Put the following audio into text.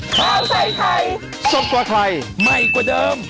ข้าวใส่ไทยสดกว่าไทยใหม่กว่าเดิม